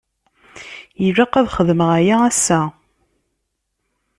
Ilaq ad xedmeɣ aya ass-a.